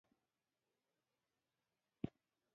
سفیر ډېر سخت طرفدار وو.